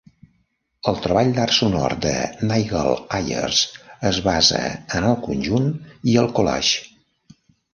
El treball d'art sonor de Nigel Ayers es basa en el conjunt i el collage.